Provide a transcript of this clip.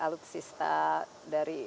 dari alutsista dari